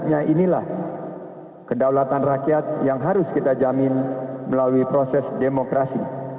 ya inilah kedaulatan rakyat yang harus kita jamin melalui proses demokrasi